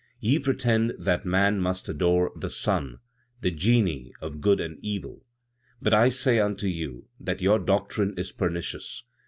"Ye pretend that man must adore the sun, and the Genii of Good and Evil. But I say unto you that your doctrine is pernicious.